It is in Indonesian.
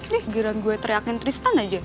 dih garaan gue teriakin tristan aja